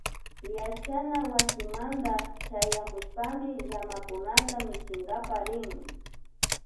Yachanawasimanta chayamushpami llamakunata michinkapak rini